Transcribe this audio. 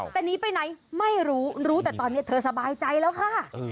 แต่หนีไปไหนไม่รู้รู้แต่ตอนนี้เธอสบายใจแล้วค่ะ